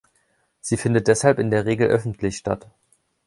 Sie findet deshalb in der Regel öffentlich statt.